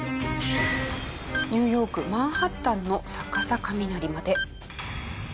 ニューヨークマンハッタンの逆さ雷まで。